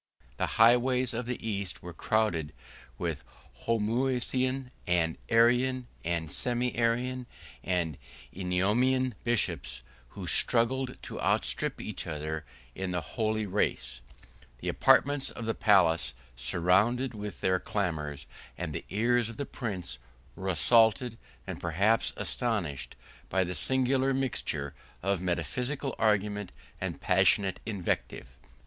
The highways of the East were crowded with Homoousian, and Arian, and Semi Arian, and Eunomian bishops, who struggled to outstrip each other in the holy race: the apartments of the palace resounded with their clamors; and the ears of the prince were assaulted, and perhaps astonished, by the singular mixture of metaphysical argument and passionate invective.